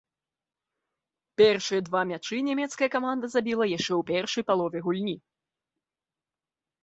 Першыя два мячы нямецкая каманда забіла яшчэ ў першай палове гульні.